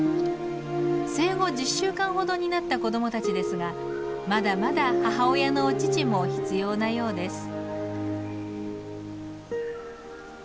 生後１０週間ほどになった子どもたちですがまだまだ母親のお乳も必要なようです。